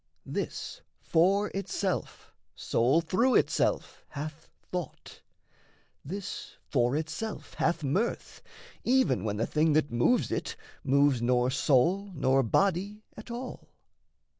This, for itself, sole through itself, hath thought; This for itself hath mirth, even when the thing That moves it, moves nor soul nor body at all.